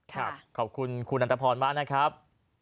ขอบคุณคุณอันตภรมากนะครับ